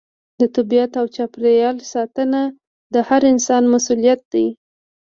د طبیعت او چاپیریال ساتنه د هر انسان مسؤلیت دی.